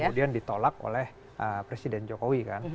kemudian ditolak oleh presiden jokowi kan